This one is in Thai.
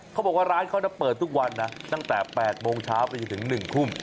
เขาบอกว่าร้านเขาเปิดทุกวันนะตั้งแต่๘โมงเช้าไปจนถึง๑ทุ่ม